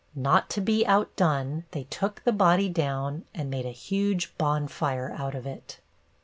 Not to be outdone, they took the body down and made a huge bonfire out of it.